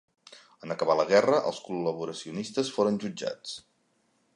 En acabar la guerra, els col·laboracionistes foren jutjats.